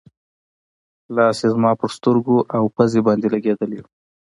لاس یې زما پر سترګو او پوزې باندې لګېدلی و.